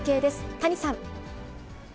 谷さん。